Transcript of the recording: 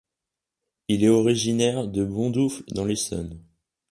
Il est originaire de Bondoufle dans l'Essonne.